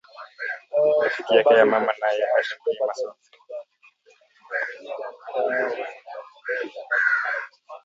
Rafiki yake ya mama naye asha kurima sombe